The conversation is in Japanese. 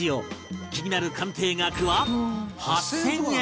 気になる鑑定額は８０００円